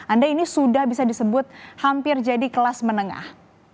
anda ini sudah bisa disebut hampir jadi kelas menengah